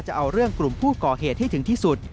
จะเอาเรื่องกลุ่มผู้ก่อเหตุให้ถึงที่สุด